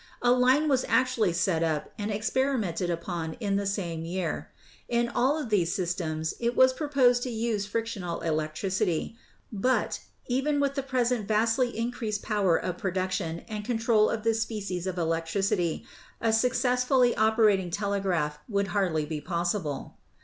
A line was actually set up and experimented upon in the same year. In all of these systems it was proposed to use frictional electricity; but, even with the present vastly increased power of pro duction and control of this species of electricity, a suc cessfully operating telegraph would hardly be possible.